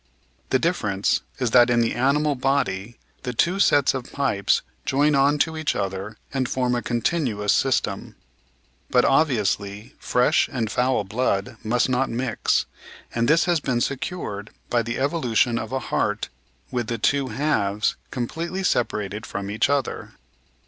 The difference is that in the animal body the two sets of pipes join on to each other and form a continuous system. But, obvi ously, fresh and foul blood must not mix, and this has been secured by the evolution of a heart with the two halves com pletely separated from each other.